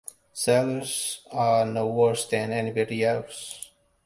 Sailors are no worse than anybody else.